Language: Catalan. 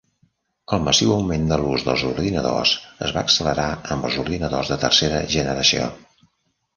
El massiu augment de l'ús dels ordinadors es va accelerar amb els ordinadors de "Tercera Generació".